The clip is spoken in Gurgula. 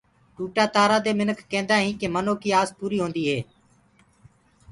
ٽوٽآ تآرآ دي مِنک ڪيندآ هينٚ ڪي منو ڪيٚ آس پوري هونديٚ هي۔